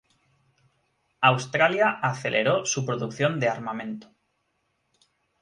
Australia aceleró su producción de armamento.